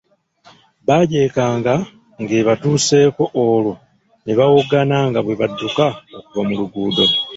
Bagyekanga nga ebatuuseeko olwo ne bawoggana nga bwe badduka okuva mu luguudo.